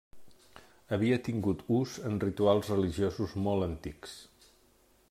Havia tingut ús en rituals religiosos molt antics.